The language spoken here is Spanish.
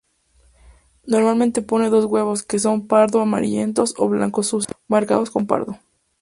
Normalmente ponen dos huevos, que son pardo amarillentos o blanco sucio, marcados con pardo.